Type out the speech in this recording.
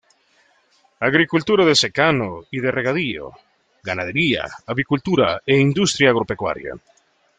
Agricultura de secano y de regadío, ganadería, avicultura e industria agropecuaria.